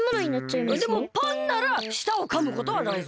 でもパンならしたをかむことはないぞ。